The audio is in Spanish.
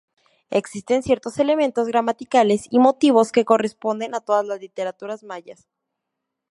Existen ciertos elementos gramaticales y motivos que corresponden a todas las literaturas mayas.